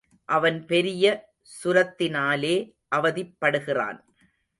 அவன் பெரிய சுரத்தினாலே அவதிப்படுகிறான்.